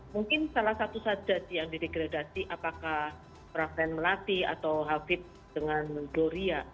mungkin salah satu saja yang diregradasi apakah praven melati atau hafidz dengan gloria